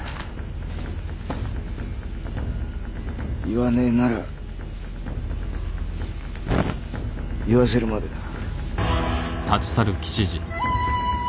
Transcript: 言わねえなら言わせるまでだ。